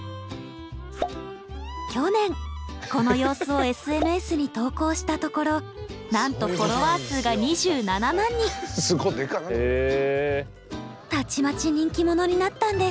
去年この様子をＳＮＳに投稿したところなんとたちまち人気者になったんです。